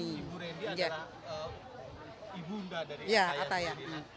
ibu reni adalah ibunda dari ataya